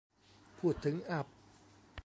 พูดถึงอับ